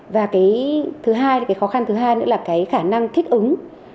và cái khó khăn thứ hai nữa là khả năng thích ứng